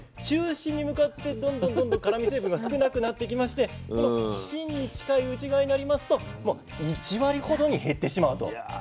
中心に向かってどんどんどんどん辛み成分が少なくなってきましてこの芯に近い内側になりますともう１割ほどに減ってしまうと。